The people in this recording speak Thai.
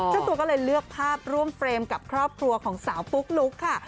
เจ้าตัวก็เลยเลือกภาพร่วมเฟรมกับครอบครัวของสาวปุ๊กลุ๊กค่ะ